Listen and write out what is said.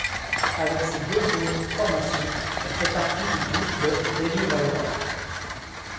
Avec ces deux autres formations, elle fait partie du Groupe de Belly River.